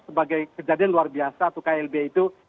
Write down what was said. sebagai kejadian luar biasa atau klb itu